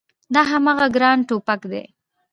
دا هماغه ګران ټوپګ دی